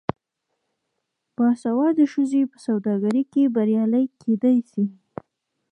باسواده ښځې په سوداګرۍ کې بریالۍ کیدی شي.